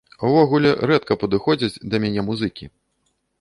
Увогуле, рэдка падыходзяць да мяне музыкі.